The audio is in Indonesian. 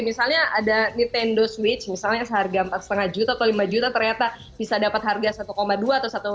misalnya ada nintendo switch misalnya seharga empat lima juta atau lima juta ternyata bisa dapat harga satu dua atau satu